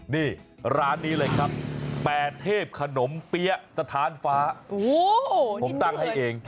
นี่ร้านนี้เลยครับแปรเทพขนมเปี๊ยะสถานฟ้าผมตั้งให้เอง